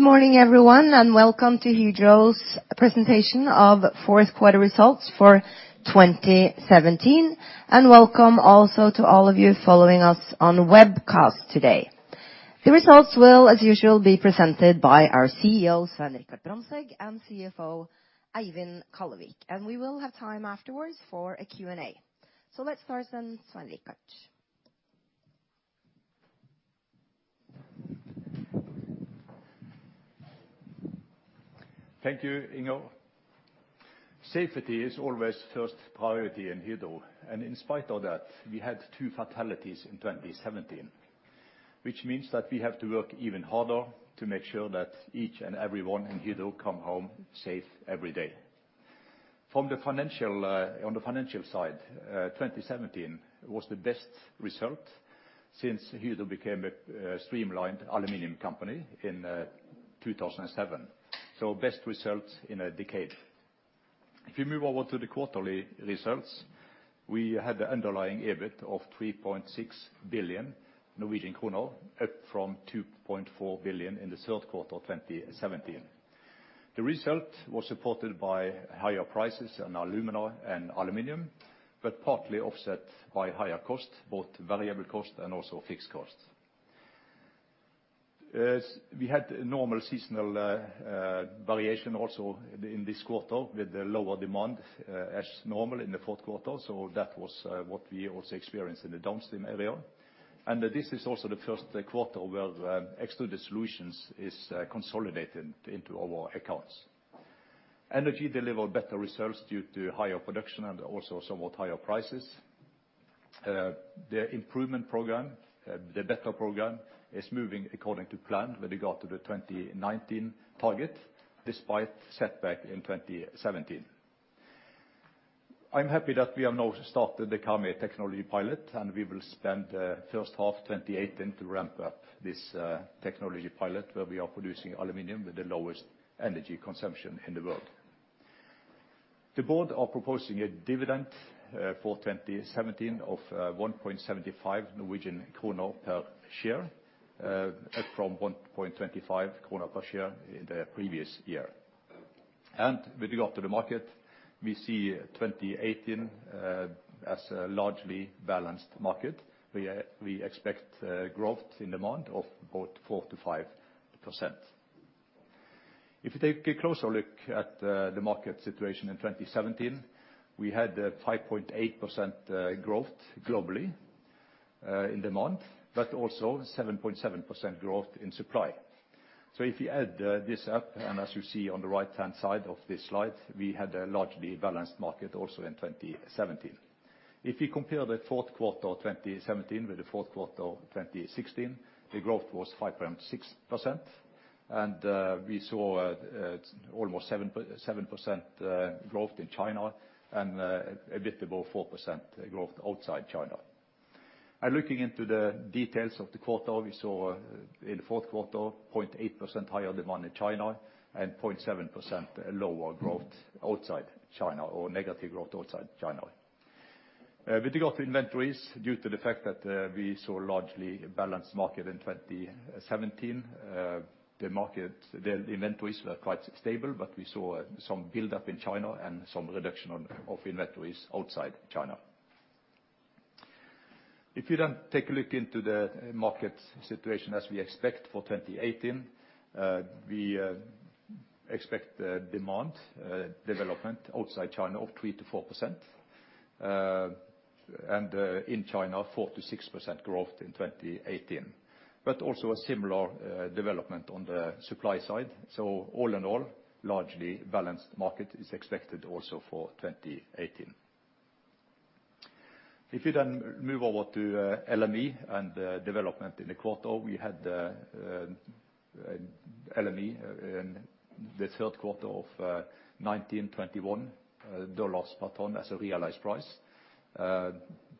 Good morning everyone. Welcome to Hydro's presentation of fourth quarter results for 2017. Welcome also to all of you following us on webcast today. The results will, as usual, be presented by our CEO, Svein Richard Brandtzæg, and CFO, Eivind Kallevik. We will have time afterwards for a Q&A. Let's start then, Svein Richard. Thank you, Inga. Safety is always first priority in Hydro. In spite of that, we had 2 fatalities in 2017, which means that we have to work even harder to make sure that each and everyone in Hydro come home safe every day. From the financial, on the financial side, 2017 was the best result since Hydro became a streamlined aluminum company in 2007. Best results in a decade. If you move over to the quarterly results, we had the underlying EBIT of 3.6 billion Norwegian kroner, up from 2.4 billion NOK in the third quarter of 2017. The result was supported by higher prices in alumina and aluminum, but partly offset by higher costs, both variable costs and also fixed costs. We had normal seasonal variation also in this quarter with the lower demand as normal in the fourth quarter. That was what we also experienced in the downstream area. This is also the first quarter where Extruded Solutions is consolidated into our accounts. Energy delivered better results due to higher production and also somewhat higher prices. The improvement program, the Better program, is moving according to plan with regard to the 2019 target, despite setback in 2017. I'm happy that we have now started the Karmøy technology pilot, and we will spend first half 2018 to ramp up this technology pilot where we are producing aluminum with the lowest energy consumption in the world. The board are proposing a dividend for 2017 of 1.75 Norwegian krone per share, up from 1.25 krone per share in the previous year. With regard to the market, we see 2018 as a largely balanced market. We expect growth in demand of about 4%-5%. If you take a closer look at the market situation in 2017, we had a 5.8% growth globally in demand, but also 7.7% growth in supply. If you add this up, and as you see on the right-hand side of this slide, we had a largely balanced market also in 2017. If you compare Q4 2017 with Q4 2016, the growth was 5.6%. We saw almost 7% growth in China and a bit above 4% growth outside China. Looking into the details of the quarter, we saw in the fourth quarter 0.8% higher demand in China and 0.7% lower growth outside China, or negative growth outside China. With regard to inventories, due to the fact that we saw a largely balanced market in 2017, the market, the inventories were quite stable, but we saw some build-up in China and some reduction of inventories outside China. If you take a look into the market situation as we expect for 2018, we expect the demand development outside China of 3%-4%. In China, 4%-6% growth in 2018, but also a similar development on the supply side. All in all, largely balanced market is expected also for 2018. If you move over to LME and the development in the quarter, we had LME in the third quarter of $1,921 per ton as a realized price. The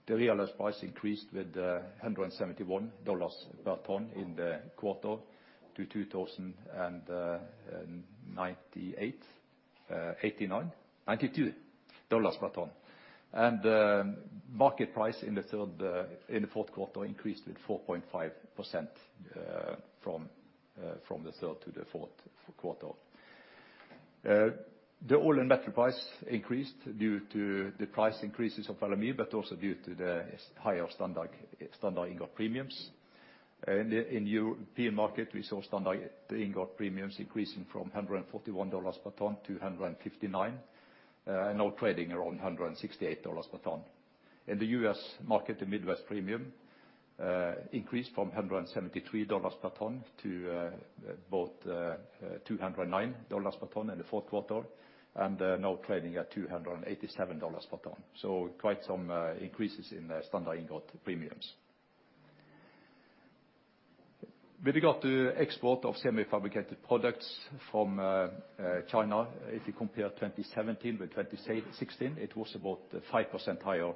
realized price increased with $171 per ton in the quarter to $2,092 per ton. Market price in the third in the fourth quarter increased with 4.5% from the third to the fourth quarter. The oil and metal price increased due to the price increases of LME, but also due to the higher standard ingot premiums. In the European market, we saw standard ingot premiums increasing from $141 per ton to $159, and now trading around $168 per ton. In the US market, the Midwest premium increased from $173 per ton to about $209 per ton in the fourth quarter, and now trading at $287 per ton. Quite some increases in the standard ingot premiums. With regard to export of semi-fabricated products from China, if you compare 2017 with 2016, it was about a 5% higher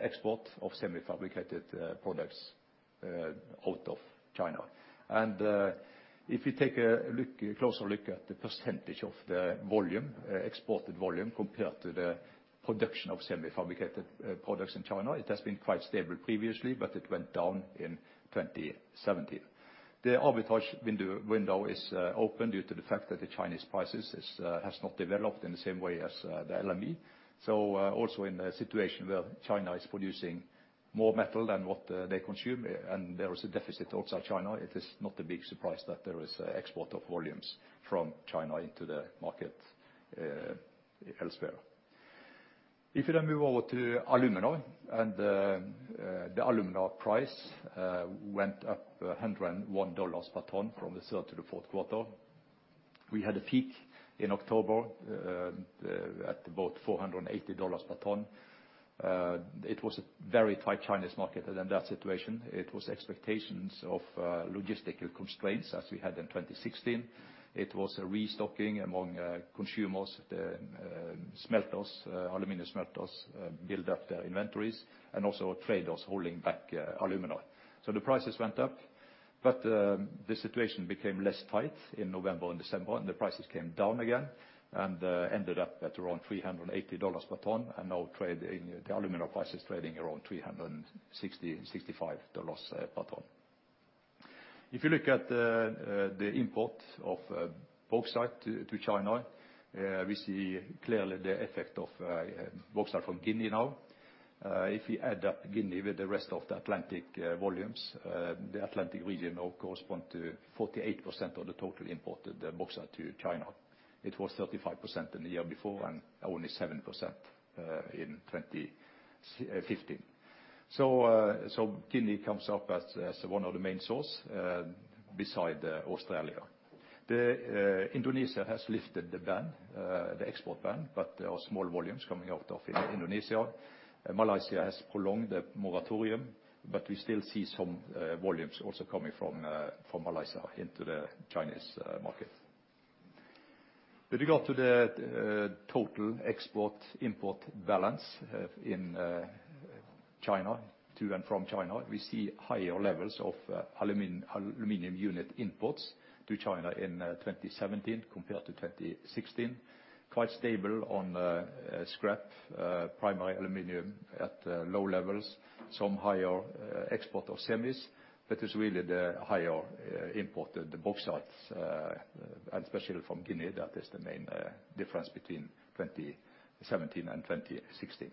export of semi-fabricated products out of China. If you take a look, a closer look at the percentage of the volume, exported volume compared to the production of semi-fabricated products in China, it has been quite stable previously, but it went down in 2017. The arbitrage window is open due to the fact that the Chinese prices is has not developed in the same way as the LME. Also in a situation where China is producing more metal than what they consume, and there is a deficit also China, it is not a big surprise that there is export of volumes from China into the market elsewhere. If you now move over to alumina, the alumina price went up $101 per ton from the third to the fourth quarter. We had a peak in October, about $480 per ton. It was a very tight Chinese market in that situation. It was expectations of logistical constraints as we had in 2016. It was a restocking among consumers, smelters, aluminum smelters, build up their inventories, and also traders holding back alumina. The prices went up, but the situation became less tight in November and December, and the prices came down again. Ended up at around $380 per ton. The alumina price is trading around $360-$365 per ton. If you look at the import of bauxite to China, we see clearly the effect of bauxite from Guinea now. If we add up Guinea with the rest of the Atlantic volumes, the Atlantic region now correspond to 48% of the total imported bauxite to China. It was 35% in the year before and only 7% in 2015. Guinea comes up as one of the main source beside Australia. Indonesia has lifted the ban, the export ban, but there are small volumes coming out of Indonesia. Malaysia has prolonged the moratorium, but we still see some volumes also coming from Malaysia into the Chinese market. With regard to the total export, import balance in China, to and from China, we see higher levels of aluminum unit imports to China in 2017 compared to 2016. Quite stable on scrap primary aluminum at low levels. Some higher export of semis, but is really the higher import of the bauxites, and especially from Guinea, that is the main difference between 2017 and 2016.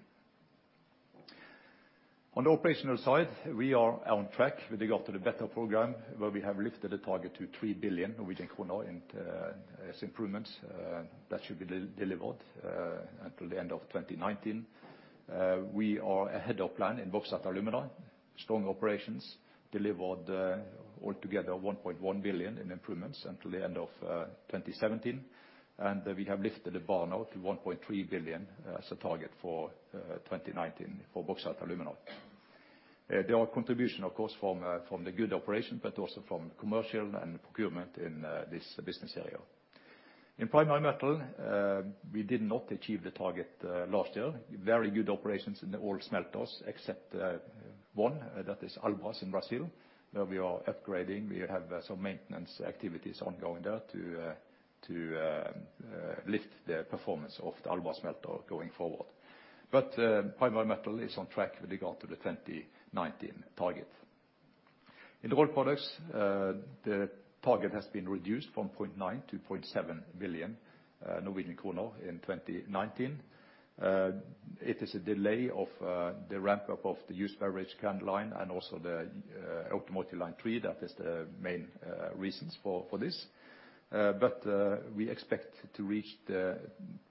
On the operational side, we are on track with regard to the Better program, where we have lifted the target to 3 billion Norwegian kroner in as improvements that should be de-delivered until the end of 2019. We are ahead of plan in Bauxite & Alumina. Strong operations delivered all together 1.1 billion in improvements until the end of 2017. We have lifted the bar now to 1.3 billion as a target for 2019 for Bauxite & Alumina. There are contribution, of course, from the good operation, but also from commercial and procurement in, this business area. In Primary Metal, we did not achieve the target last year. Very good operations in all smelters except one, that is Albras in Brazil, where we are upgrading. We have some maintenance activities ongoing there to lift the performance of the Albras smelter going forward. Primary Metal is on track with regard to the 2019 target. In the Rolled Products, the target has been reduced from 0.9 billion-0.7 billion Norwegian kroner in 2019. It is a delay of, the ramp-up of the used beverage can line and also the Automotive Line 3. That is the main reasons for this. We expect to reach the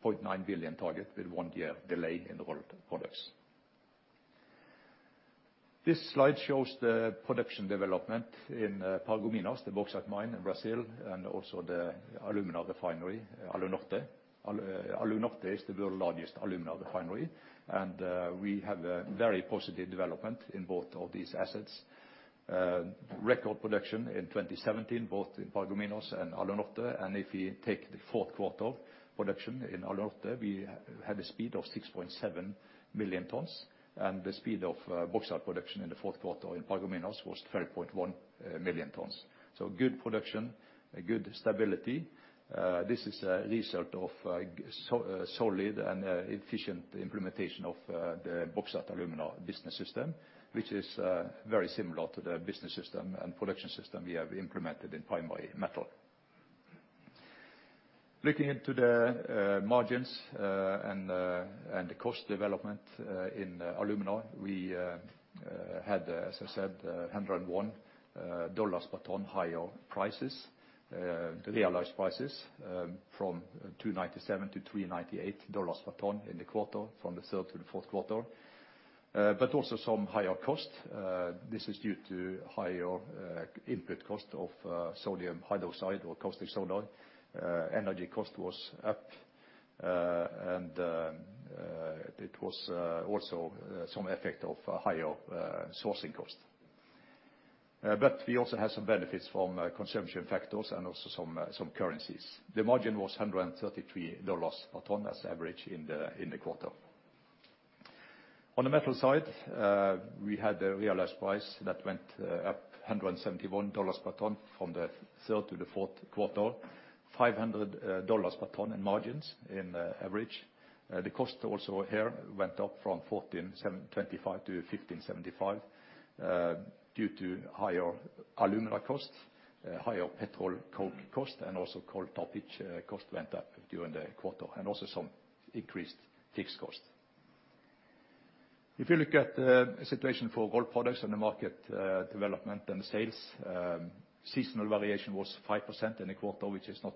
0.9 billion target with 1 year delay in the Rolled Products. This slide shows the production development in Paragominas, the bauxite mine in Brazil, and also the alumina refinery, Alunorte. Alunorte is the world's largest alumina refinery, and we have a very positive development in both of these assets. Record production in 2017, both in Paragominas and Alunorte. If we take the fourth quarter production in Alunorte, we had a speed of 6.7 million tons. The speed of bauxite production in the fourth quarter in Paragominas was 12.1 million tons. Good production, a good stability. This is a result of solid and efficient implementation of the Bauxite Alumina business system, which is very similar to the business system and production system we have implemented in Primary Metal. Looking into the margins and the cost development in alumina, we had, as I said, $101 per ton higher prices, the realized prices, from $297-$398 per ton in the quarter, from the third to the fourth quarter. Also some higher cost. This is due to higher input cost of sodium hydroxide or caustic soda. Energy cost was up. It was also some effect of higher sourcing cost. We also had some benefits from consumption factors and also some currencies. The margin was $133 per ton as average in the quarter. On the metal side, we had the realized price that went up $171 per ton from the third to the fourth quarter. $500 per ton in margins in average. The cost also here went up from $14,725 to $15,750 due to higher alumina costs, higher petcoke cost, and also pitch cost went up during the quarter, and also some increased fixed costs. If you look at the situation for Rolled Products and the market, development and sales, seasonal variation was 5% in the quarter, which is not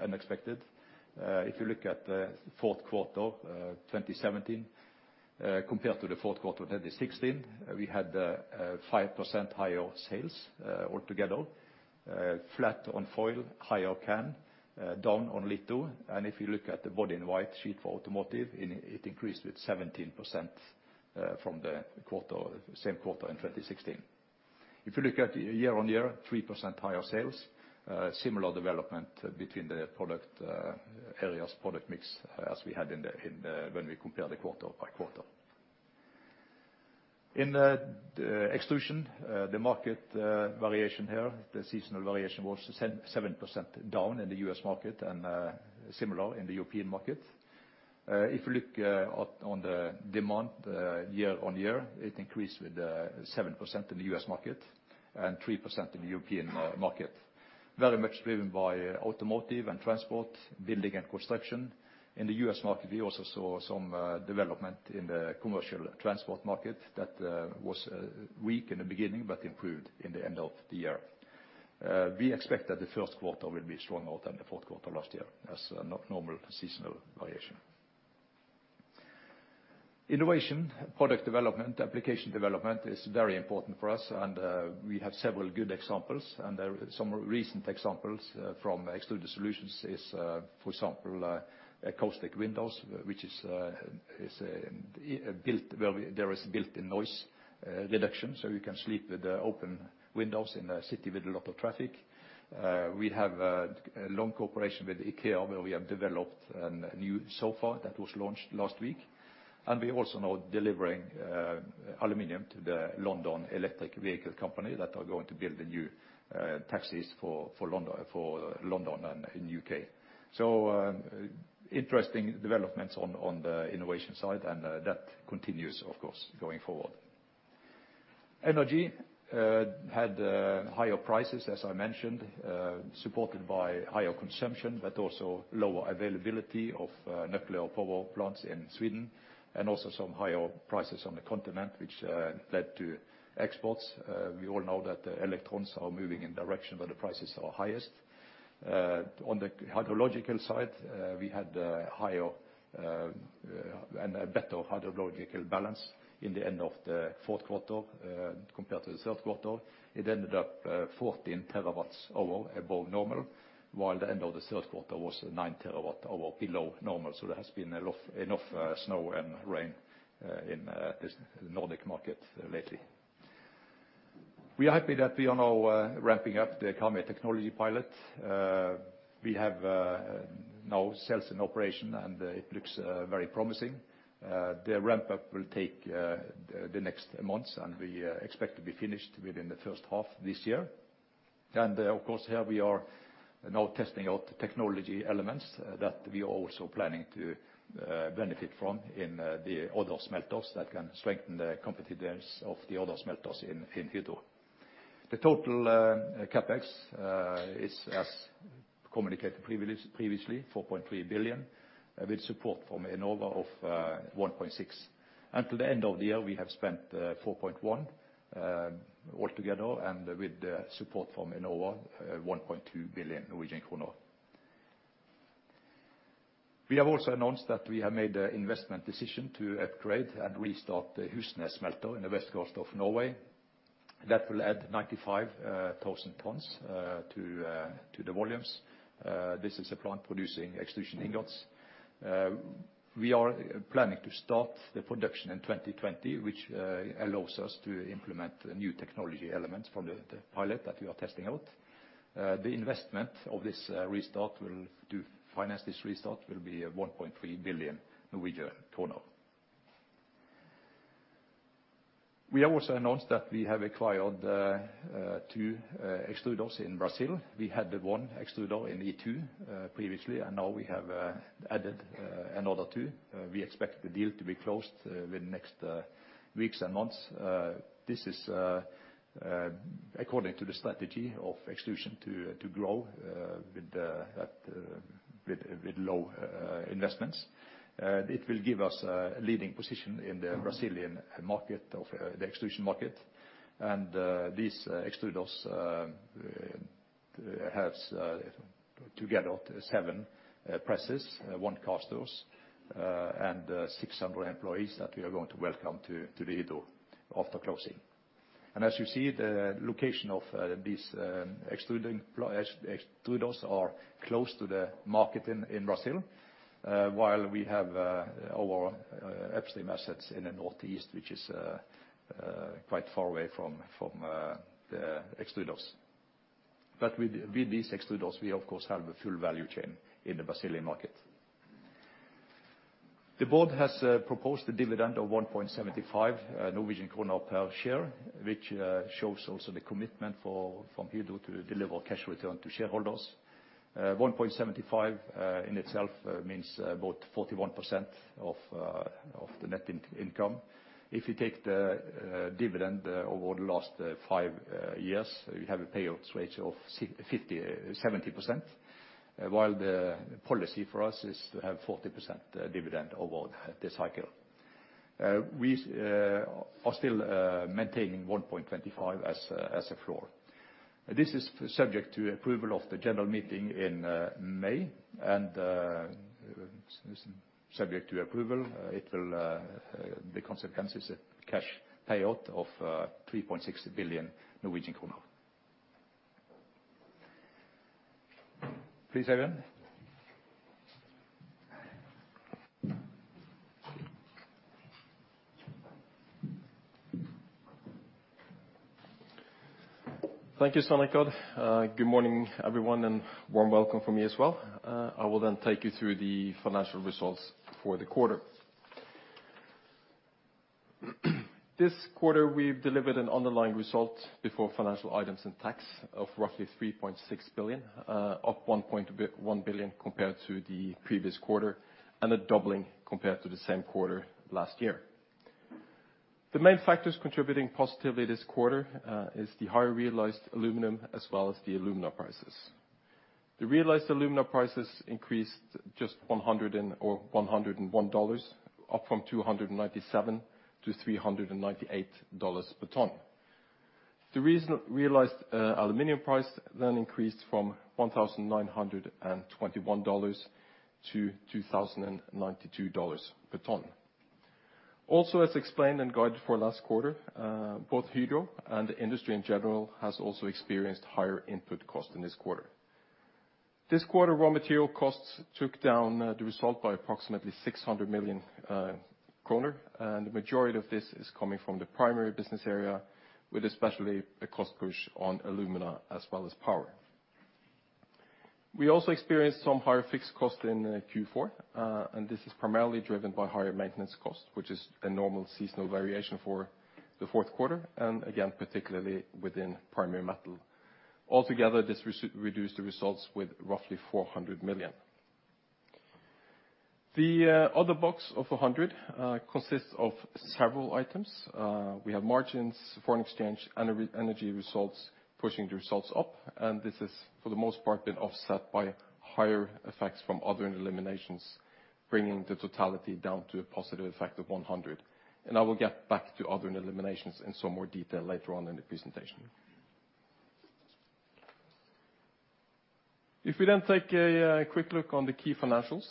unexpected. Uh, if you look at, uh, fourth quarter, uh, 2017, uh, compared to the fourth quarter 2016, we had, uh, a 5% higher sales, uh, altogether, uh, flat on foil, higher can, uh, down on litho. And if you look at the body and white sheet for automotive, it, it increased with 17%, uh, from the quarter, same quarter in 2016. If you look at year on year, 3% higher sales, uh, similar development between the product, uh, areas, product mix as we had in the, in the, when we compare the quarter by quarter. In, uh, extrusion, uh, the market, uh, variation here, the seasonal variation was 7, 7% down in the US market and, uh, similar in the European market. If you look on the demand, year-over-year, it increased with 7% in the U.S. market and 3% in the European market, very much driven by automotive and transport, building and construction. In the U.S. market, we also saw some development in the commercial transport market that was weak in the beginning but improved in the end of the year. We expect that the first quarter will be stronger than the fourth quarter last year as not normal seasonal variation. Innovation, product development, application development is very important for us. We have several good examples and some recent examples from Extruded Solutions is for example, acoustic windows, which is built, well, there is built-in noise reduction, so you can sleep with the open windows in a city with a lot of traffic. We have a long cooperation with IKEA, where we have developed a new sofa that was launched last week. We're also now delivering aluminum to the London Electric Vehicle Company that are going to build the new taxis for London, for London and in U.K. Interesting developments on the innovation side, and that continues, of course, going forward. Energy had higher prices, as I mentioned, supported by higher consumption, but also lower availability of nuclear power plants in Sweden and also some higher prices on the continent, which led to exports. We all know that the electrons are moving in direction, but the prices are highest. On the hydrological side, we had higher and a better hydrological balance in the end of the fourth quarter compared to the third quarter. It ended up 14 TWh above normal, while the end of the third quarter was 9 TWh below normal. There has been a lot, enough snow and rain in this Nordic market lately. We are happy that we are now ramping up the Karmøy technology pilot. We have now sales in operation, and it looks very promising. The ramp-up will take the next months, and we expect to be finished within the first half this year. Of course, here we are now testing out technology elements that we are also planning to benefit from in the other smelters that can strengthen the competitiveness of the other smelters in future. The total CapEx is, as communicated previously, 4.3 billion, with support from Enova of 1.6. Until the end of the year, we have spent 4.1 altogether, and with support from Enova, 1.2 billion Norwegian kroner. We have also announced that we have made an investment decision to upgrade and restart the Husnes smelter in the west coast of Norway. That will add 95,000 tons to the volumes. This is a plant producing extrusion ingots. We are planning to start the production in 2020, which allows us to implement new technology elements from the pilot that we are testing out. The investment of this restart will be 1.3 billion Norwegian kroner. We have also announced that we have acquired 2 extruders in Brazil. We had the one extruder in E2 previously, and now we have added another 2. We expect the deal to be closed within next weeks and months. This is according to the strategy of extrusion to grow with low investments. It will give us a leading position in the Brazilian market of the extrusion market. These extruders has together 7 presses, 1 casters, and 600 employees that we are going to welcome to Hydro after closing. As you see, the location of these extruders are close to the market in Brazil, while we have our upstream assets in the Northeast, which is quite far away from the extruders. With these extruders, we of course have a full value chain in the Brazilian market. The board has proposed a dividend of 1.75 Norwegian kroner per share, which shows also the commitment for, from Hydro to deliver cash return to shareholders. 1.75 in itself means about 41% of the net income. If you take the dividend over the last 5 years, we have a payout rate of 70%, while the policy for us is to have 40% dividend over the cycle. We are still maintaining 1.25 as a floor. This is subject to approval of the general meeting in May, and subject to approval, it will, the consequence is a cash payout of 3.6 billion Norwegian kroner. Please, Eivind. Thank you, Svein Eivind. Good morning, everyone, and warm welcome from me as well. I will take you through the financial results for the quarter. This quarter, we've delivered an underlying result before financial items and tax of roughly $3.6 billion, up $1 billion compared to the previous quarter and a doubling compared to the same quarter last year. The main factors contributing positively this quarter is the higher realized aluminum as well as the alumina prices. The realized alumina prices increased just $101, up from $297 to $398 per ton. The reason realized aluminum price then increased from $1,921 to $2,092 per ton. Also, as explained in guide for last quarter, both Hydro and the industry in general has also experienced higher input cost in this quarter. This quarter, raw material costs took down the result by approximately 600 million kroner, and the majority of this is coming from the primary business area, with especially a cost push on alumina as well as power. We also experienced some higher fixed cost in Q4, and this is primarily driven by higher maintenance cost, which is a normal seasonal variation for the fourth quarter and again, particularly within Primary Metal. Altogether, this reduced the results with roughly 400 million. The other box of 100 consists of several items. We have margins, foreign exchange, Energy results pushing the results up, this is, for the most part, been offset by higher effects from other eliminations, bringing the totality down to a positive effect of 100. I will get back to other eliminations in some more detail later on in the presentation. If we take a quick look on the key financials,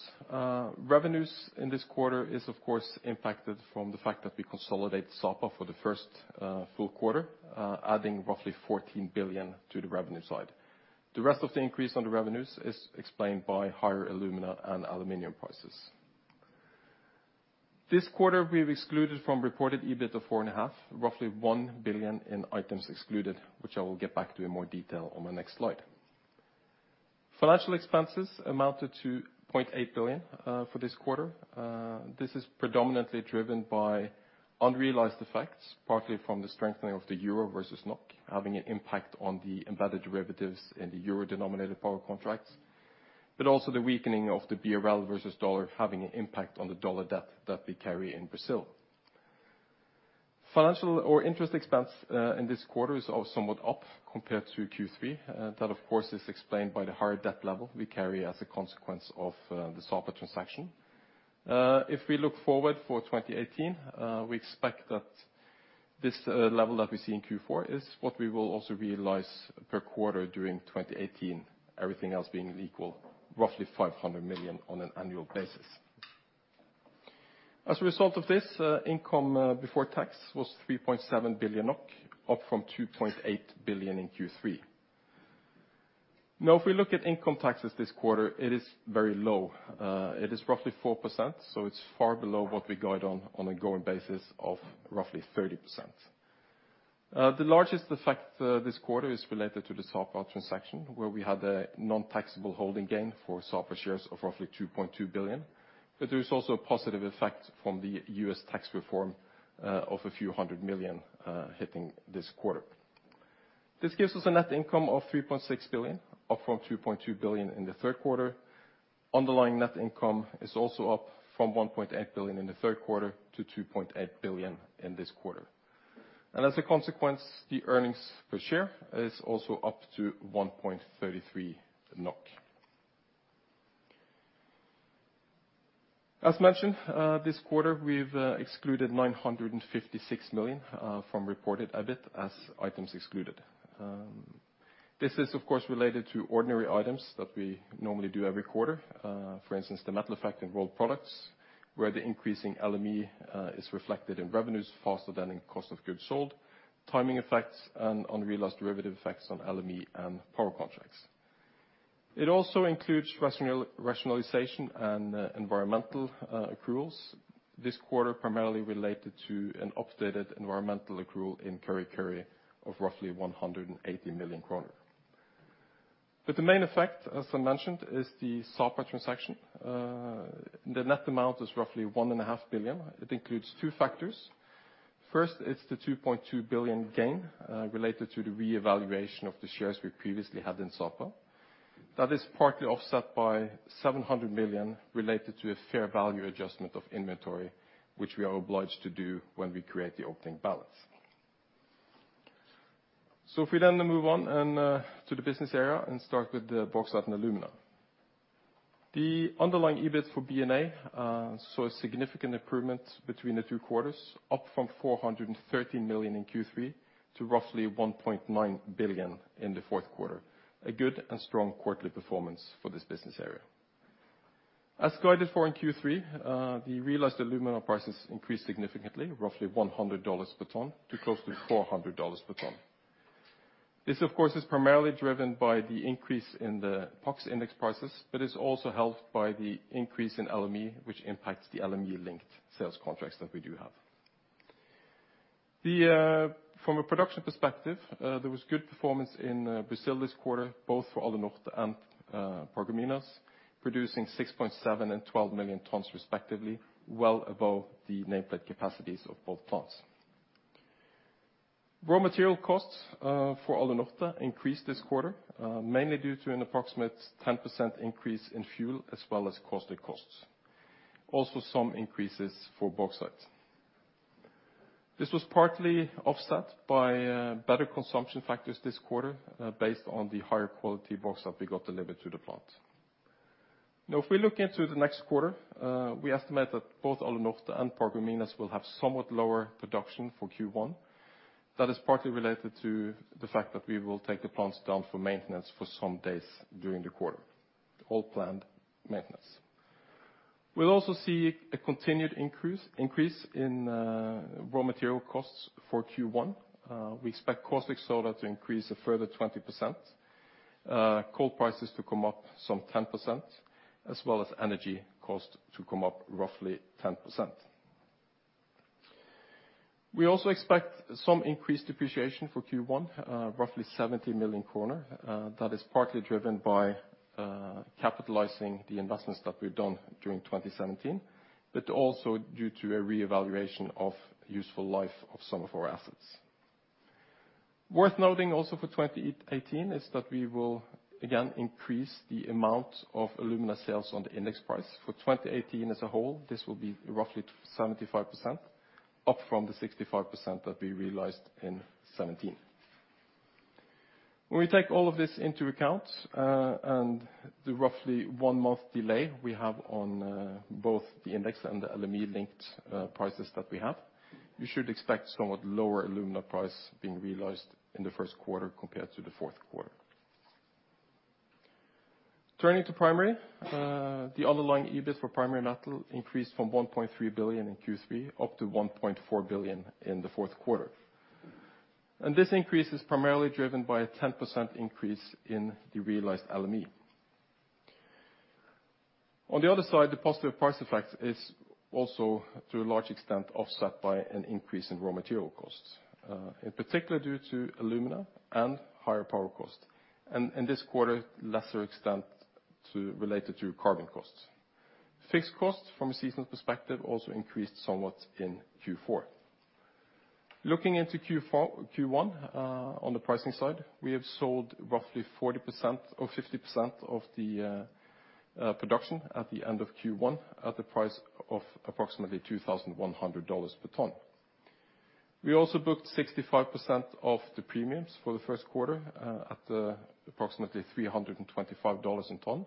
revenues in this quarter is of course impacted from the fact that we consolidate Sapa for the first full quarter, adding roughly 14 billion to the revenue side. The rest of the increase on the revenues is explained by higher alumina and aluminum prices. This quarter, we've excluded from reported EBIT of four and a half billion, roughly 1 billion in items excluded, which I will get back to in more detail on the next slide. Financial expenses amounted to 0.8 billion for this quarter. This is predominantly driven by unrealized effects, partly from the strengthening of the euro versus NOK, having an impact on the embedded derivatives in the euro-denominated power contracts. Also the weakening of the BRL versus dollar, having an impact on the dollar debt that we carry in Brazil. Financial or interest expense in this quarter is also somewhat up compared to Q3. That of course is explained by the higher debt level we carry as a consequence of the Sapa transaction. If we look forward for 2018, we expect that this level that we see in Q4 is what we will also realize per quarter during 2018, everything else being equal, roughly 500 million on an annual basis. As a result of this, income before tax was 3.7 billion NOK, up from 2.8 billion in Q3. If we look at income taxes this quarter, it is very low. It is roughly 4%, so it's far below what we guide on a going basis of roughly 30%. The largest effect this quarter is related to the Sapa transaction, where we had a non-taxable holding gain for Sapa shares of roughly 2.2 billion. There is also a positive effect from the US tax reform, of a few hundred million NOK, hitting this quarter. This gives us a net income of 3.6 billion, up from 2.2 billion in the third quarter. Underlying net income is also up from 1.8 billion in the 3rd quarter to 2.8 billion in this quarter. As a consequence, the earnings per share is also up to 1.33 NOK. As mentioned, this quarter, we've excluded 956 million from reported EBIT as items excluded. This is of course related to ordinary items that we normally do every quarter. For instance, the metal effect in Rolled Products, where the increasing LME is reflected in revenues faster than in cost of goods sold, timing effects, and unrealized derivative effects on LME and power projects. It also includes rationalization and environmental accruals. This quarter primarily related to an updated environmental accrual in Kurri Kurri of roughly 180 million kroner. The main effect, as I mentioned, is the Sapa transaction. The net amount is roughly one and a half billion. It includes 2 factors. First, it's the 2.2 billion gain related to the re-evaluation of the shares we previously had in Sapa. That is partly offset by 700 million related to a fair value adjustment of inventory, which we are obliged to do when we create the opening balance. If we then move on and to the business area and start with the Bauxite & Alumina. The underlying EBIT for B&A saw a significant improvement between the 2 quarters, up from 430 million in Q3 to roughly 1.9 billion in the fourth quarter. A good and strong quarterly performance for this business area. As guided for in Q3, the realized alumina prices increased significantly, roughly $100 per ton to close to $400 per ton. This, of course, is primarily driven by the increase in the PAX index prices, but is also helped by the increase in LME, which impacts the LME-linked sales contracts that we do have. From a production perspective, there was good performance in Brazil this quarter, both for Alunorte and Paragominas, producing 6.7 million and 12 million tons respectively, well above the nameplate capacities of both plants. Raw material costs for Alunorte increased this quarter, mainly due to an approximate 10% increase in fuel as well as caustic costs. Also some increases for bauxite. This was partly offset by better consumption factors this quarter, based on the higher quality bauxite we got delivered to the plant. If we look into the next quarter, we estimate that both Alunorte and Paragominas will have somewhat lower production for Q1. That is partly related to the fact that we will take the plants down for maintenance for some days during the quarter, all planned maintenance. We'll also see a continued increase in raw material costs for Q1. We expect caustic soda to increase a further 20%, coal prices to come up some 10%, as well as energy cost to come up roughly 10%. We also expect some increased depreciation for Q1, roughly 70 million kroner. That is partly driven by capitalizing the investments that we've done during 2017, but also due to a re-evaluation of useful life of some of our assets. Worth noting also for 2018 is that we will again increase the amount of alumina sales on the index price. For 2018 as a whole, this will be roughly 75%, up from the 65% that we realized in 2017. When we take all of this into account, and the roughly 1 month delay we have on both the index and the LME-linked prices that we have, you should expect somewhat lower alumina price being realized in the first quarter compared to the fourth quarter. Turning to Primary, the underlying EBIT for Primary Metal increased from 1.3 billion in Q3 up to 1.4 billion in the fourth quarter. This increase is primarily driven by a 10% increase in the realized LME. On the other side, the positive price effect is also to a large extent offset by an increase in raw material costs, in particular due to alumina and higher power cost. In this quarter, lesser extent to, related to carbon costs. Fixed costs from a seasonal perspective also increased somewhat in Q4. Looking into Q1, on the pricing side, we have sold roughly 40% or 50% of the production at the end of Q1 at the price of approximately $2,100 per ton. We also booked 65% of the premiums for the first quarter, at approximately $325 a ton,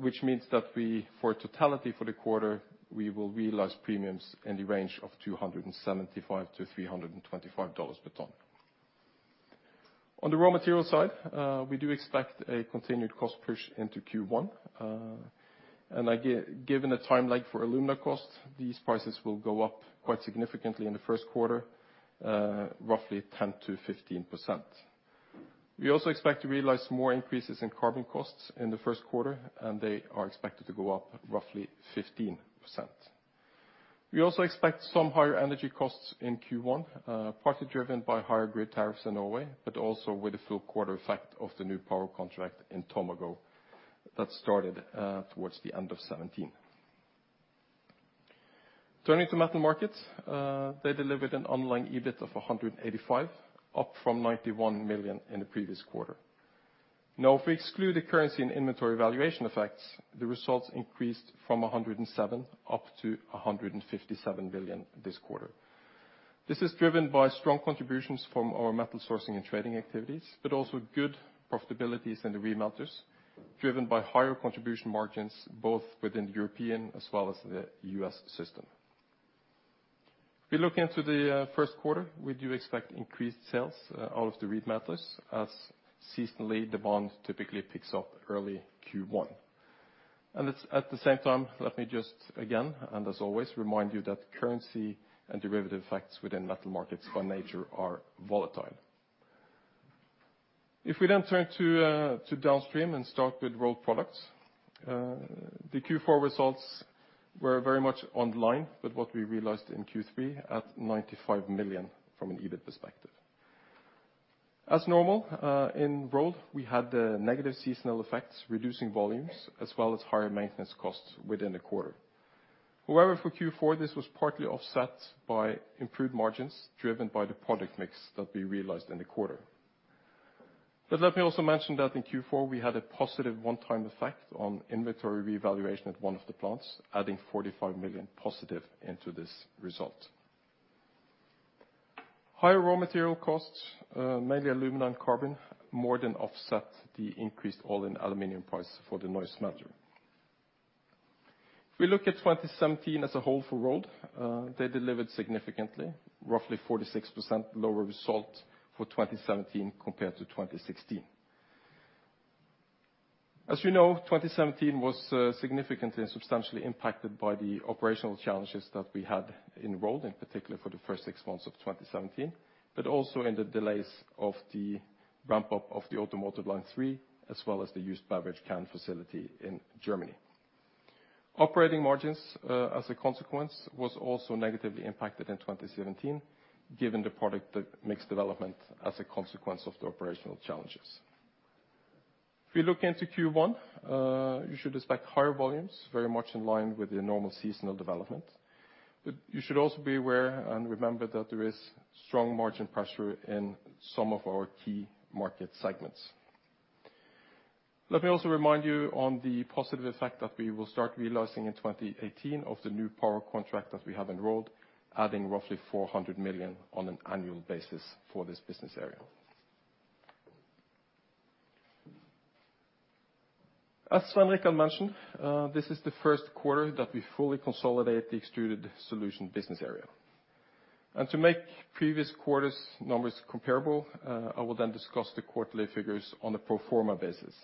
which means that we, for totality for the quarter, we will realize premiums in the range of $275-$325 per ton. On the raw material side, we do expect a continued cost push into Q1. Given the time lag for alumina costs, these prices will go up quite significantly in the first quarter, roughly 10%-15%. We also expect to realize more increases in carbon costs in the first quarter, and they are expected to go up roughly 15%. We also expect some higher energy costs in Q1, partly driven by higher grid tariffs in Norway, but also with the full quarter effect of the new power contract in Tomago that started towards the end of 2017. Turning to metal markets, they delivered an underlying EBIT of 185 million, up from 91 million in the previous quarter. If we exclude the currency and inventory valuation effects, the results increased from 107 million up to 157 million this quarter. This is driven by strong contributions from our metal sourcing and trading activities, but also good profitabilities in the remelters, driven by higher contribution margins, both within the European as well as the US system. If we look into the first quarter, we do expect increased sales out of the remelters, as seasonally demand typically picks up early Q1. It's, at the same time, let me just again, and as always, remind you that currency and derivative effects within metal markets by nature are volatile. If we turn to downstream and start with Rolled, the Q4 results. We're very much online with what we realized in Q3 at 95 million from an EBIT perspective. As normal, in Rolled, we had the negative seasonal effects, reducing volumes, as well as higher maintenance costs within the quarter. However, for Q4, this was partly offset by improved margins driven by the product mix that we realized in the quarter. Let me also mention that in Q4, we had a positive one-time effect on inventory revaluation at one of the plants, adding 45 million positive into this result. Higher raw material costs, mainly aluminum carbon, more than offset the increased all-in aluminum price for the noise manager. If we look at 2017 as a whole for Rolled, they delivered significantly, roughly 46% lower result for 2017 compared to 2016. As you know, 2017 was significantly and substantially impacted by the operational challenges that we had in Rolled, in particular for the first 6 months of 2017, but also in the delays of the ramp-up of the Automotive Line 3, as well as the used beverage can recycling line in Germany. Operating margins, as a consequence, was also negatively impacted in 2017, given the product, the mix development as a consequence of the operational challenges. If you look into Q1, you should expect higher volumes, very much in line with the normal seasonal development. You should also be aware and remember that there is strong margin pressure in some of our key market segments. Let me also remind you on the positive effect that we will start realizing in 2018 of the new power contract that we have enrolled, adding roughly 400 million on an annual basis for this business area. As Sveinrik had mentioned, this is the first quarter that we fully consolidate the Extruded Solutions business area. To make previous quarters' numbers comparable, I will then discuss the quarterly figures on a pro forma basis.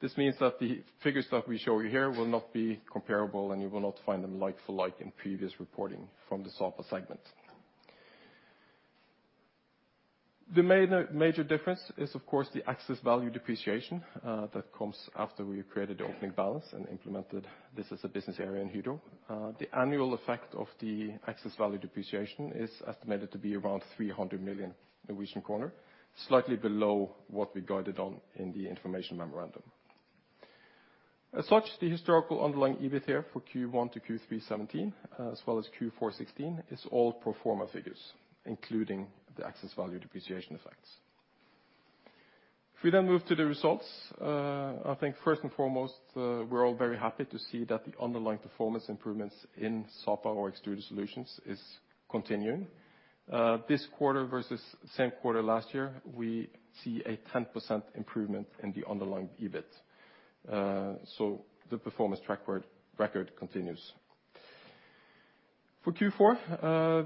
This means that the figures that we show you here will not be comparable, and you will not find them like for like in previous reporting from the Sapa segment. The main major difference is, of course, the excess value depreciation that comes after we created the opening balance and implemented this as a business area in Hydro. The annual effect of the excess value depreciation is estimated to be around 300 million Norwegian kroner, slightly below what we guided on in the information memorandum. As such, the historical underlying EBIT here for Q1 to Q3 2017, as well as Q4 2016, is all pro forma figures, including the excess value depreciation effects. If we then move to the results, I think first and foremost, we're all very happy to see that the underlying performance improvements in Sapa or Extruded Solutions is continuing. This quarter versus same quarter last year, we see a 10% improvement in the underlying EBIT. The performance record continues. For Q4,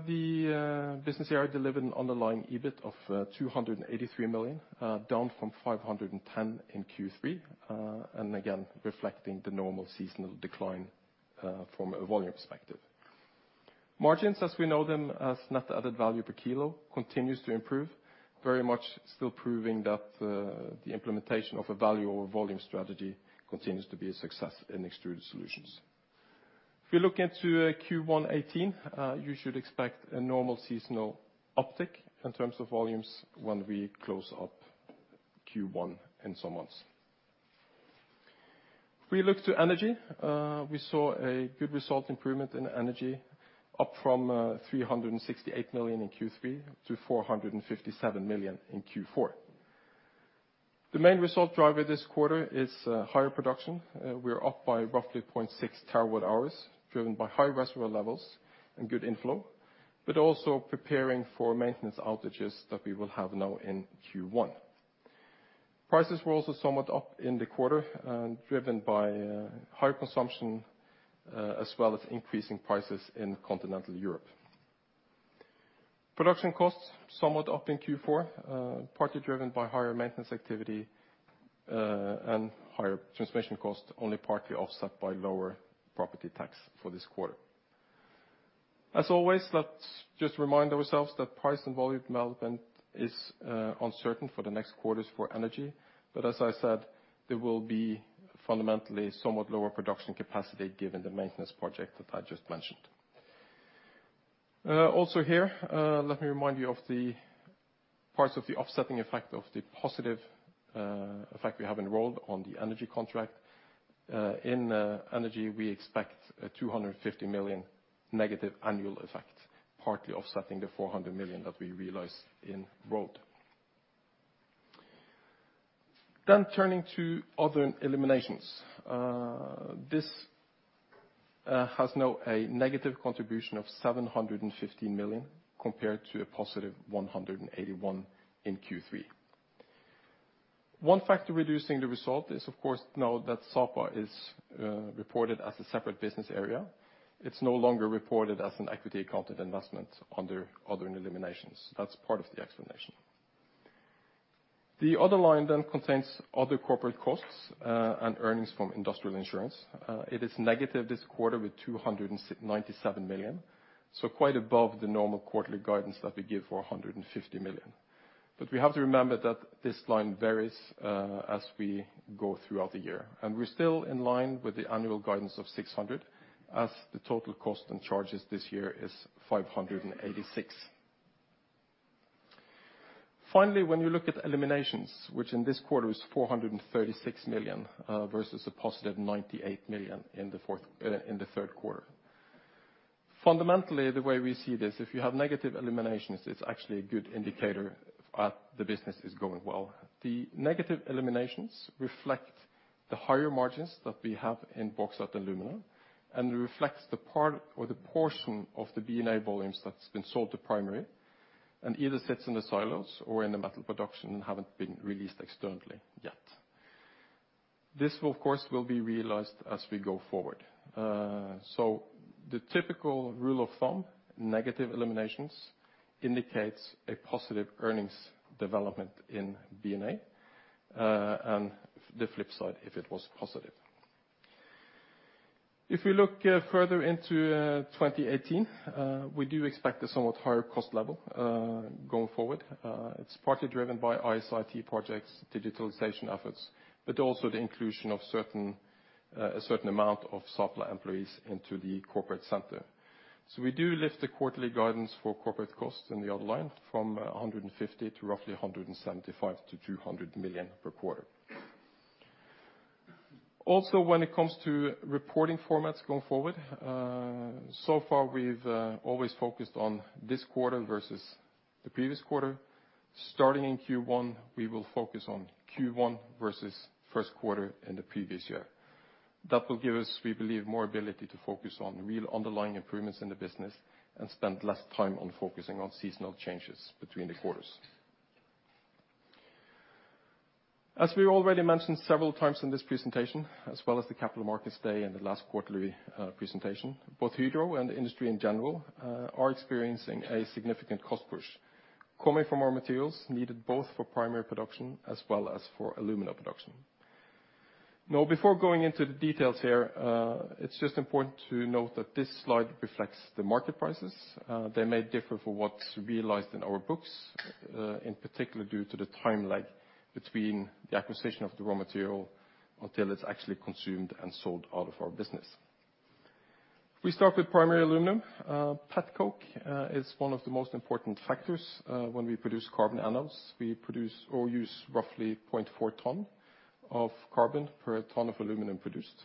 the business here delivered an underlying EBIT of 283 million, down from 510 in Q3, again, reflecting the normal seasonal decline from a volume perspective. Margins, as we know them as net added value per kilo, continues to improve, very much still proving that the implementation of a value or volume strategy continues to be a success in Extruded Solutions. If you look into Q1 2018, you should expect a normal seasonal uptick in terms of volumes when we close up Q1 in some months. If we look to Energy, we saw a good result improvement in Energy, up from 368 million in Q3 to 457 million in Q4. The main result driver this quarter is higher production. We are up by roughly 0.6 TWh, driven by high reservoir levels and good inflow, but also preparing for maintenance outages that we will have now in Q1. Prices were also somewhat up in the quarter, driven by higher consumption, as well as increasing prices in continental Europe. Production costs somewhat up in Q4, partly driven by higher maintenance activity, and higher transmission costs, only partly offset by lower property tax for this quarter. As always, let's just remind ourselves that price and volume development is uncertain for the next quarters for Energy. As I said, there will be fundamentally somewhat lower production capacity given the maintenance project that I just mentioned. Also here, let me remind you of the parts of the offsetting effect of the positive effect we have in Rolled on the energy contract. In Energy, we expect a 250 million negative annual effect, partly offsetting the 400 million that we realized in Rolled. Turning to other eliminations. This has now a negative contribution of 715 million compared to a positive 181 in Q3. One factor reducing the result is of course now that Sapa is reported as a separate business area. It's no longer reported as an equity accounted investment under other eliminations. That's part of the explanation. The other line contains other corporate costs and earnings from industrial insurance. It is negative this quarter with 297 million, quite above the normal quarterly guidance that we give for 150 million. We have to remember that this line varies as we go throughout the year. We're still in line with the annual guidance of 600, as the total cost and charges this year is 586. Finally, when you look at eliminations, which in this quarter is 436 million versus a positive 98 million in the third quarter. Fundamentally, the way we see this, if you have negative eliminations, it's actually a good indicator, the business is going well. The negative eliminations reflect the higher margins that we have in Bauxite & Alumina, and reflects the part or the portion of the B&A volumes that's been sold to Primary Metal, and either sits in the silos or in the metal production and haven't been released externally yet. This will, of course, be realized as we go forward. The typical rule of thumb, negative eliminations indicates a positive earnings development in B&A, and the flip side, if it was positive. If we look further into 2018, we do expect a somewhat higher cost level going forward. It's partly driven by IS/IT projects, digitalization efforts, but also the inclusion of certain a certain amount of Sapa employees into the corporate center. We do lift the quarterly guidance for corporate costs in the other line from 150 million to roughly 175 million-200 million per quarter. Also, when it comes to reporting formats going forward, so far we've always focused on this quarter versus the previous quarter. Starting in Q1, we will focus on Q1 versus first quarter in the previous year. That will give us, we believe, more ability to focus on real underlying improvements in the business and spend less time on focusing on seasonal changes between the quarters. As we already mentioned several times in this presentation, as well as the Capital Markets Day and the last quarterly presentation, both Hydro and the industry in general are experiencing a significant cost push coming from raw materials needed both for primary production as well as for alumina production. Before going into the details here, it's just important to note that this slide reflects the market prices. They may differ for what's realized in our books, in particular due to the time lag between the acquisition of the raw material until it's actually consumed and sold out of our business. We start with primary aluminium. Petcoke is one of the most important factors when we produce carbon anodes. We produce or use roughly 0.4 ton of carbon per ton of aluminium produced.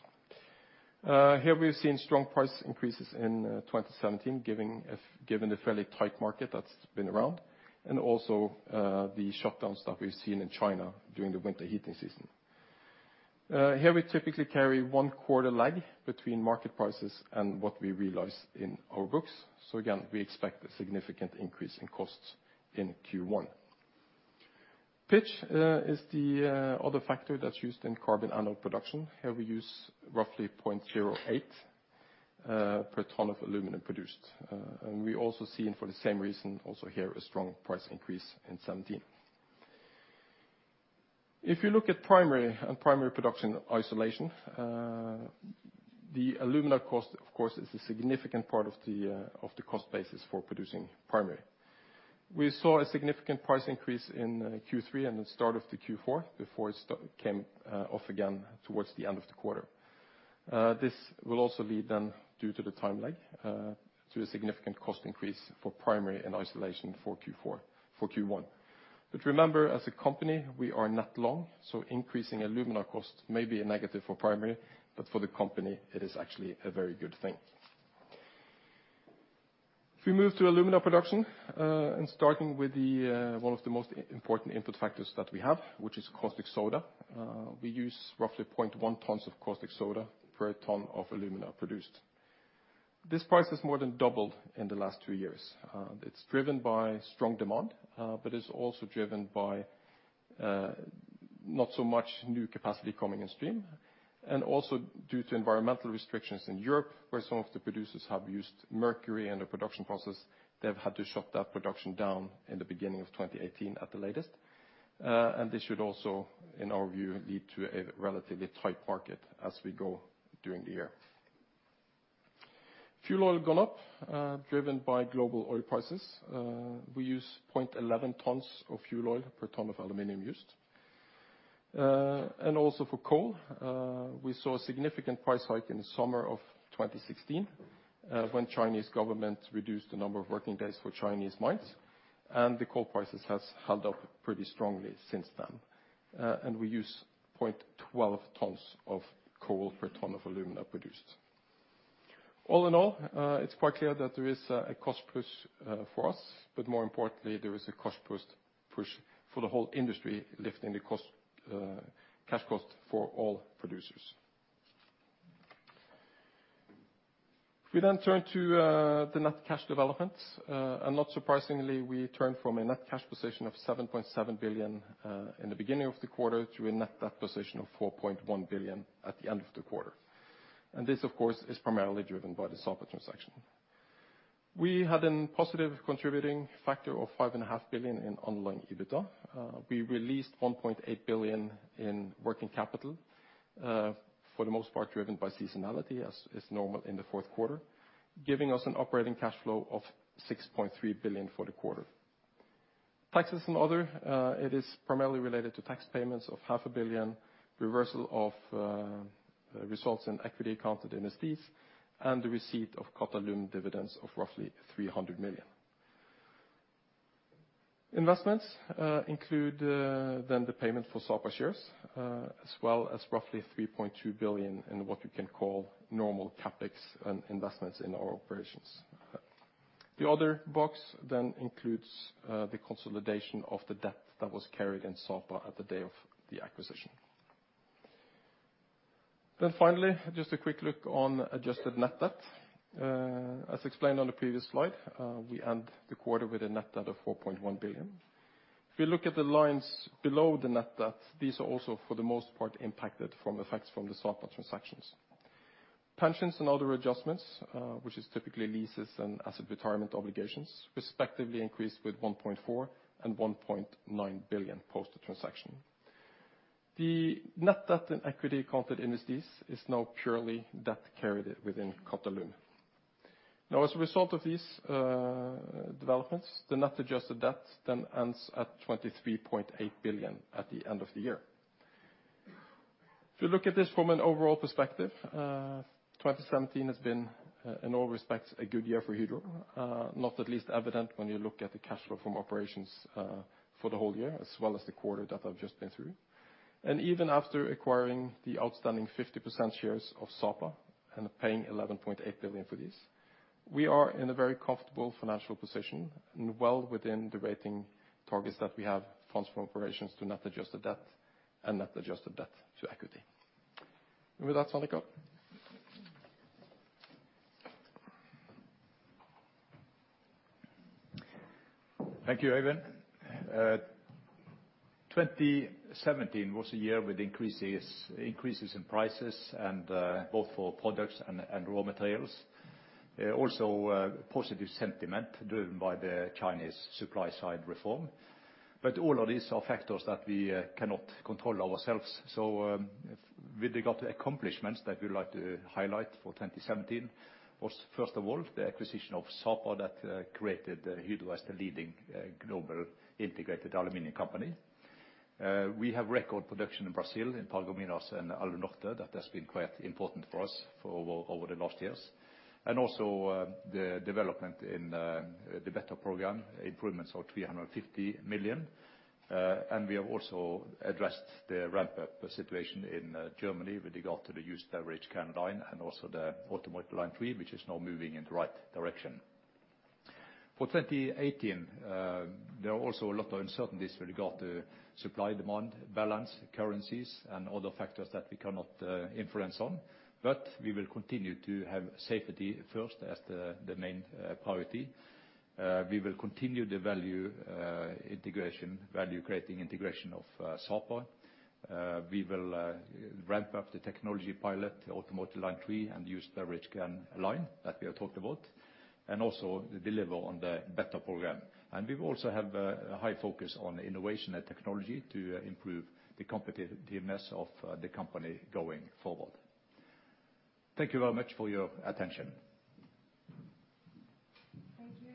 Here we've seen strong price increases in 2017, given the fairly tight market that's been around, and also, the shutdowns that we've seen in China during the winter heating season. Here we typically carry 1 quarter lag between market prices and what we realize in our books. Again, we expect a significant increase in costs in Q1. Pitch is the other factor that's used in carbon anode production. Here we use roughly 0.08 per ton of aluminum produced. We also see, and for the same reason, also here a strong price increase in 2017. If you look at primary and primary production isolation, the alumina cost, of course, is a significant part of the cost basis for producing primary. We saw a significant price increase in Q3 and the start of the Q4 before it came off again towards the end of the quarter. This will also lead then, due to the time lag, to a significant cost increase for primary and isolation for Q1. Remember, as a company, we are not long, so increasing alumina cost may be a negative for primary, but for the company it is actually a very good thing. If we move to alumina production, and starting with the one of the most important input factors that we have, which is caustic soda, we use roughly 0.1 tons of caustic soda per ton of alumina produced. This price has more than doubled in the last 2 years. It's driven by strong demand, but is also driven by not so much new capacity coming in stream, and also due to environmental restrictions in Europe, where some of the producers have used mercury in the production process. They've had to shut that production down in the beginning of 2018 at the latest. This should also, in our view, lead to a relatively tight market as we go during the year. Fuel oil gone up, driven by global oil prices. We use 0.11 tons of fuel oil per ton of aluminium used. Also for coal, we saw a significant price hike in the summer of 2016, when Chinese government reduced the number of working days for Chinese mines, and the coal prices has held up pretty strongly since then. We use 0.12 tons of coal per ton of alumina produced. All in all, it's quite clear that there is a cost push for us. More importantly, there is a cost push for the whole industry, lifting the cash cost for all producers. If we then turn to the net cash developments, not surprisingly, we turn from a net cash position of 7.7 billion in the beginning of the quarter to a net debt position of 4.1 billion at the end of the quarter. This, of course, is primarily driven by the Sapa transaction. We had a positive contributing factor of five and a half billion in underlying EBITDA. We released 1.8 billion in working capital for the most part driven by seasonality as is normal in the fourth quarter. Giving us an operating cash flow of 6.3 billion for the quarter. Taxes and other, it is primarily related to tax payments of NOK half a billion, reversal of results in equity accounted investees, and the receipt of Catalum dividends of roughly 300 million. Investments include then the payment for Sapa shares, as well as roughly $3.2 billion in what you can call normal CapEx and investments in our operations. The other box then includes the consolidation of the debt that was carried in Sapa at the day of the acquisition. Finally, just a quick look on adjusted net debt. As explained on the previous slide, we end the quarter with a net debt of $4.1 billion. If you look at the lines below the net debt, these are also, for the most part, impacted from effects from the Sapa transactions. Pensions and other adjustments, which is typically leases and asset retirement obligations, respectively increased with $1.4 billion and $1.9 billion post the transaction. The net debt and equity accounted investees is now purely debt carried within Catalum. As a result of these developments, the net adjusted debt then ends at 23.8 billion at the end of the year. If you look at this from an overall perspective, 2017 has been in all respects a good year for Hydro. Not at least evident when you look at the cash flow from operations for the whole year as well as the quarter that I've just been through. Even after acquiring the outstanding 50% shares of Sapa and paying 11.8 billion for these, we are in a very comfortable financial position and well within the rating targets that we have funds from operations to net adjusted debt and net adjusted debt to equity. With that, Svane. Thank you, Eivind. 2017 was a year with increases in prices and both for products and raw materials. Also, positive sentiment driven by the Chinese supply side reform. All of these are factors that we cannot control ourselves. With regard to accomplishments that we like to highlight for 2017 was, first of all, the acquisition of Sapa that created Hydro as the leading global integrated aluminum company. We have record production in Brazil, in Paragominas and Alunorte, that has been quite important for us over the last years. The development in the Better program improvements of 350 million. We have also addressed the ramp-up situation in Germany with regard to the Used Beverage Can Line and also the Automotive Line 3, which is now moving in the right direction. For 2018, there are also a lot of uncertainties with regard to supply, demand, balance, currencies, and other factors that we cannot influence on. We will continue to have safety first as the main priority. We will continue the value integration, value creating integration of Sapa. We will ramp up the technology pilot, Automotive Line 3, and Used Beverage Can Line that we have talked about, and also deliver on the Better program. We also have a high focus on innovation and technology to improve the competitiveness of the company going forward. Thank you very much for your attention. Thank you.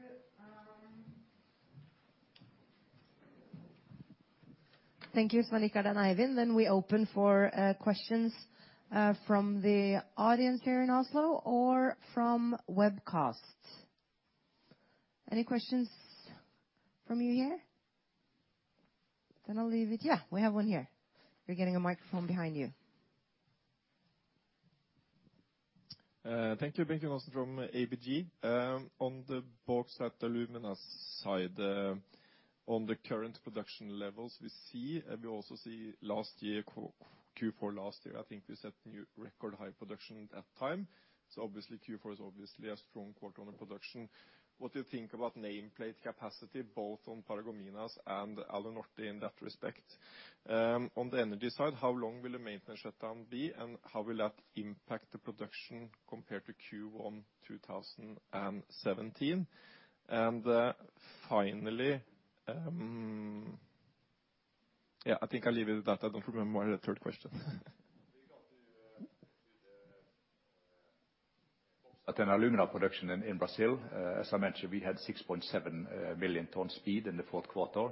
Thank you, Svein and Eivind. We open for questions from the audience here in Oslo or from webcast. Any questions from you here? I'll leave it. Yeah, we have one here. You're getting a microphone behind you. Thank you. Bent Inge Olsen from ABG. On the books at alumina side, on the current production levels we see, and we also see last year, Q4 last year, I think we set new record high production at that time. Obviously, Q4 is obviously a strong quarter on the production. What do you think about nameplate capacity both on Paragominas and Alunorte in that respect? On the Energy side, how long will the maintenance shutdown be, and how will that impact the production compared to Q1 2017? Finally, Yeah, I think I'll leave it at that. I don't remember my third question. With regard to the alumina production in Brazil, as I mentioned, we had 6.7 million tons speed in the fourth quarter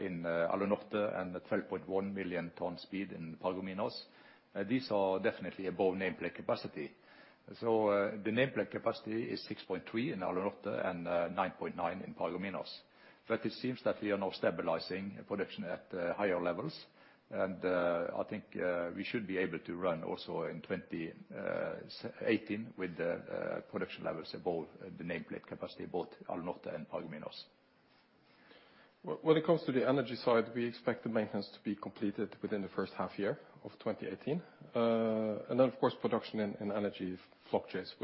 in Alunorte, and 12.1 million tons speed in Paragominas. These are definitely above nameplate capacity. The nameplate capacity is 6.3 in Alunorte and 9.9 in Paragominas. It seems that we are now stabilizing production at higher levels. I think we should be able to run also in 2018 with the production levels above the nameplate capacity, both Alunorte and Paragominas. When it comes to the energy side, we expect the maintenance to be completed within the first half year of 2018. Of course, production and energy fluctuates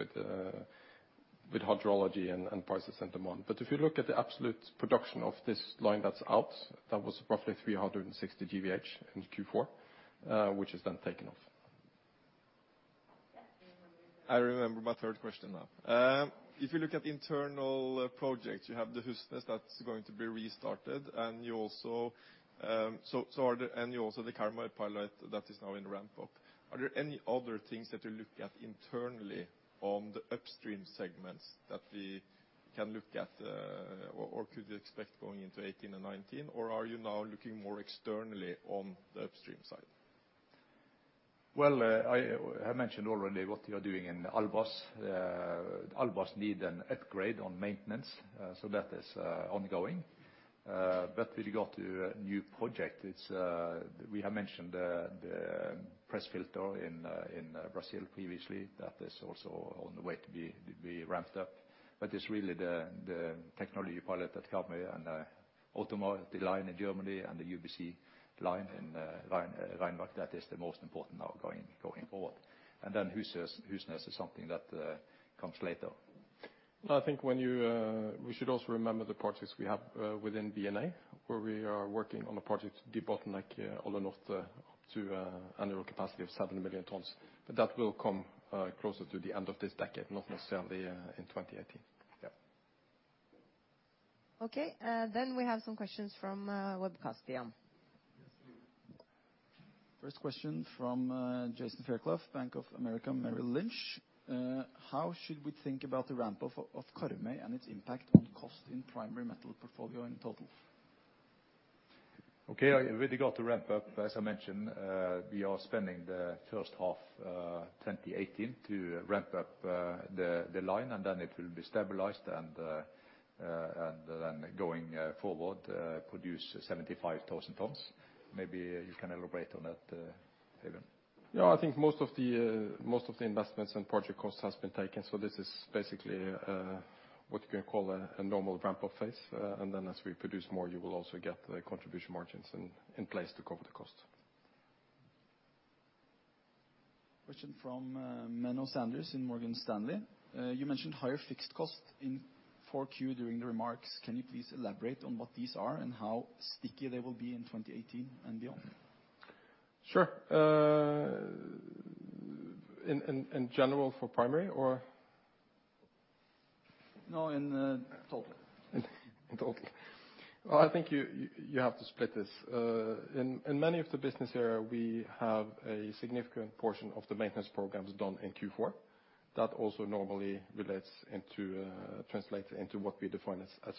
with hydrology and prices and demand. If you look at the absolute production of this line that's out, that was roughly 360 GWh in Q4, which is then taken off. I remember my third question now. If you look at the internal projects, you have the Husnes that's going to be restarted, and you also the Karmøy pilot that is now in ramp-up. Are there any other things that you look at internally on the upstream segments that we can look at, or could expect going into 2018 and 2019? Or are you now looking more externally on the upstream side? I mentioned already what you're doing in Årdal. Årdal need an upgrade on maintenance, so that is ongoing. When you go to a new project, it's, we have mentioned, the press filter in Brazil previously. That is also on the way to be ramped up. It's really the technology pilot at Karmøy and automotive line in Germany and the UBC line in Neuss that is the most important now going forward. Husnes is something that comes later. I think when you, we should also remember the projects we have within BNA, where we are working on a project to debottleneck Alunorte to annual capacity of 7 million tons. That will come closer to the end of this decade. Mm-hmm. Not necessarily in 2018. Yeah. Okay. We have some questions from webcast again. Yes, please. First question from Jason Fairclough, Bank of America Merrill Lynch. How should we think about the ramp of Karmøy and its impact on cost in Primary Metal portfolio in total? Okay. With regard to ramp up, as I mentioned, we are spending the first half 2018 to ramp up the line, and then it will be stabilized, and then going forward, produce 75,000 tons. Maybe you can elaborate on that, Eivind. Yeah. I think most of the investments and project costs has been taken, so this is basically, what you can call a normal ramp-up phase. As we produce more, you will also get the contribution margins in place to cover the cost. Question from Menno Sanderse in Morgan Stanley. You mentioned higher fixed cost in 4Q during the remarks. Can you please elaborate on what these are and how sticky they will be in 2018 and beyond? Sure. In general for primary, or...? No, in total. In total. Well, I think you have to split this. In many of the business area, we have a significant portion of the maintenance programs done in Q4. That also normally relates into, translate into what we define as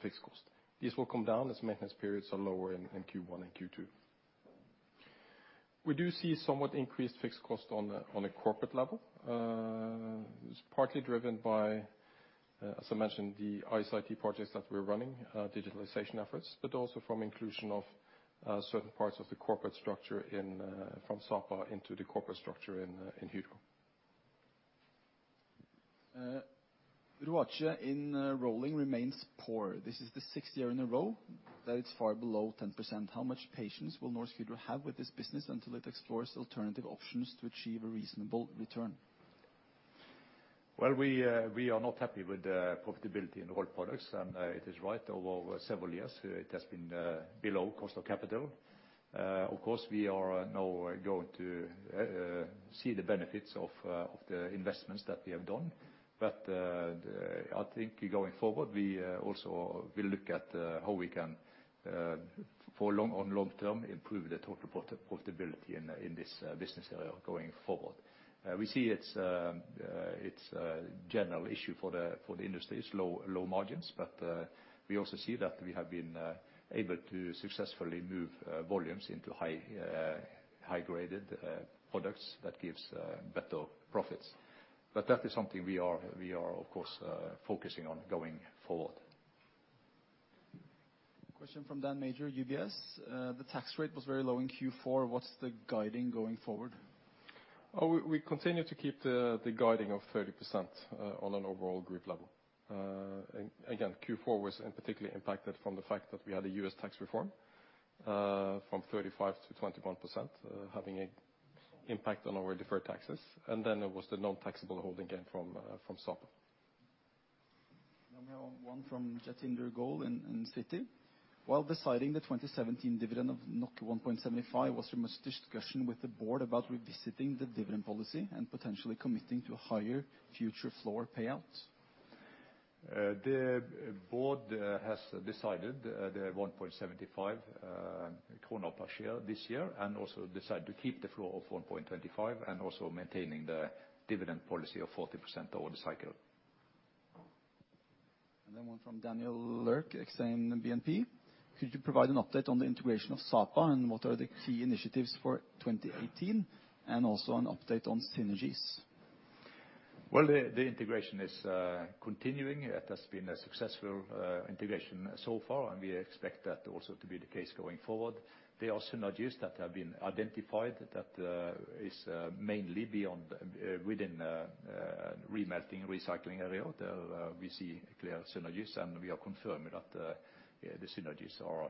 fixed cost. This will come down as maintenance periods are lower in Q1 and Q2. We do see somewhat increased fixed cost on a corporate level. It's partly driven by, as I mentioned, the IS/IT projects that we're running, digitalization efforts, but also from inclusion of certain parts of the corporate structure in from Sapa into the corporate structure in Hydro. RUCRA in Rolling remains poor. This is the 6th year in a row that it's far below 10%. How much patience will Norsk Hydro have with this business until it explores alternative options to achieve a reasonable return? We are not happy with the profitability in Rolled Products, and it is right. Over several years it has been below cost of capital. Of course, we are now going to see the benefits of the investments that we have done. I think going forward, we also will look at how we can for long, on long-term improve the total profitability in this business area going forward. We see it's a general issue for the industry's low margins. We also see that we have been able to successfully move volumes into high, high-graded products that gives better profits. That is something we are, of course, focusing on going forward. Question from Dan Major, UBS. The tax rate was very low in Q4. What's the guiding going forward? We continue to keep the guiding of 30% on an overall group level. Again, Q4 was in particularly impacted from the fact that we had a US tax reform from 35% to 21% having a impact on our deferred taxes. It was the non-taxable holding gain from Sapa. We have one from Jatinder Goel in Citi. While deciding the 2017 dividend of 1.75, was there much discussion with the board about revisiting the dividend policy and potentially committing to a higher future floor payout? The board has decided the 1.75 kroner per share this year and also decided to keep the floor of 1.25 NOK, and also maintaining the dividend policy of 40% over the cycle. One from Daniel Lurch, Exane BNP. Could you provide an update on the integration of Sapa, and what are the key initiatives for 2018, and also an update on synergies? Well, the integration is continuing. It has been a successful integration so far. We expect that also to be the case going forward. There are synergies that have been identified that is mainly beyond within remelting, recycling area. There, we see clear synergies. We are confirming that, yeah, the synergies are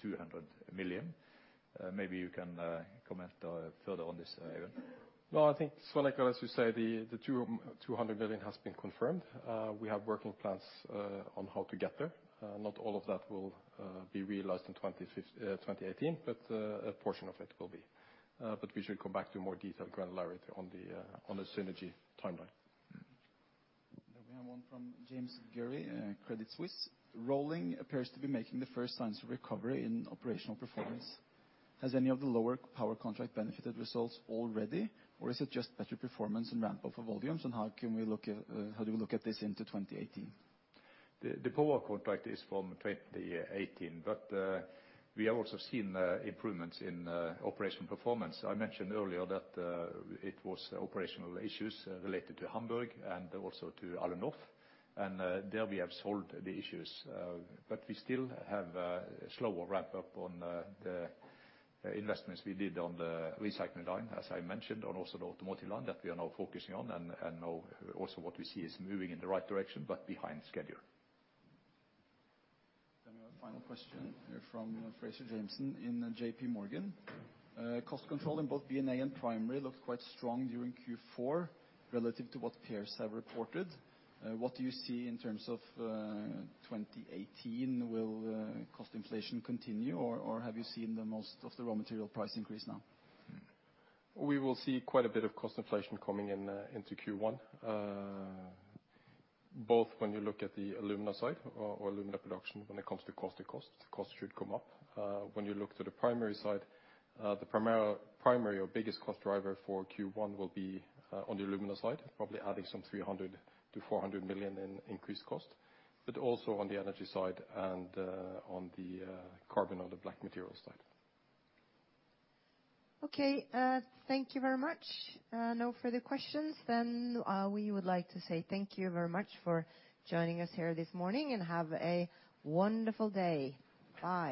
200 million. Maybe you can comment further on this, Eivind. No, I think, Sveinrik, as you say, the $200 million has been confirmed. We have working plans on how to get there. Not all of that will be realized in 2018, but a portion of it will be. We should come back to more detailed granularity on the synergy timeline. We have one from James Gurry, Credit Suisse. Rolling appears to be making the first signs of recovery in operational performance. Has any of the lower power contract benefited results already, or is it just better performance and ramp-up of volumes? How can we look at, how do we look at this into 2018? The power contract is from 2018, but we have also seen improvements in operational performance. I mentioned earlier that it was operational issues related to Hamburg and also to Alunorte, and there we have solved the issues. We still have slower ramp-up on the investments we did on the recycling line, as I mentioned, on also the automotive line that we are now focusing on. Now also what we see is moving in the right direction but behind schedule. We have a final question from Fraser Jamieson in JP Morgan. Cost control in both B&A and Primary looked quite strong during Q4 relative to what peers have reported. What do you see in terms of 2018? Will cost inflation continue, or have you seen the most of the raw material price increase now? We will see quite a bit of cost inflation coming in into Q1. Both when you look at the alumina side or alumina production when it comes to caustic costs should come up. When you look to the primary side, the primary or biggest cost driver for Q1 will be on the alumina side, probably adding some 300 million-400 million in increased cost, but also on the energy side and on the carbon or the black material side. Okay. Thank you very much. No further questions. We would like to say thank you very much for joining us here this morning, and have a wonderful day. Bye.